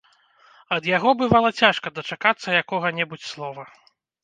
Ад яго, бывала, цяжка дачакацца якога-небудзь слова.